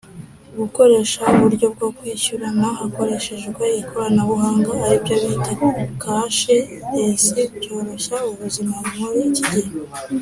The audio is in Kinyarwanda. gukoresha uburyo bwo kwishyurana hakoreshejwe ikoranabuhanga aribyo bita kashi resi byoroshya ubuzima muri ikigihe